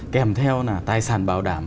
kèm theo là tài sản bảo đảm